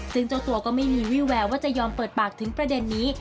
ซึ่งเจ้าตัวก็ไม่มีวี่แววว่าจะยอมเปิดปากถึงประเด็นนี้